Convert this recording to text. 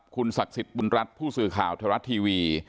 คุณศักดิ์สิทธิ์บุญรัฐผู้สื่อข่าวไทยรัฐทีวี